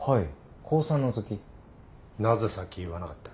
なぜさっき言わなかった？